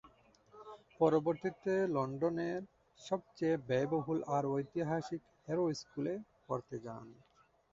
পরবর্তীতে লন্ডনের সবচেয়ে ব্যয়বহুল আর ঐতিহাসিক হ্যারো স্কুলে পড়তে যান।